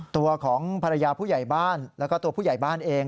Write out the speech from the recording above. ตัวของภรรยาผู้ใหญ่บ้านแล้วก็ตัวผู้ใหญ่บ้านเอง